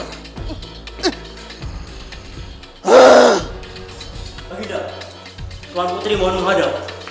farhidah tuan putri bapak ada